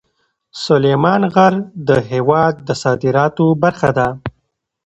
سلیمان غر د هېواد د صادراتو برخه ده.